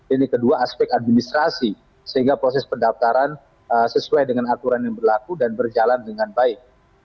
ini kedua aspek administrasi sehingga proses pendaftaran sesuai dengan aturan yang berlaku dan berjalan dengan baik